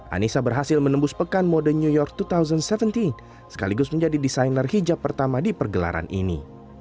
anissa berhasil menembus pekan mode new york dua ribu tujuh belas sekaligus menjadi desainer hijab pertama di pergelaran ini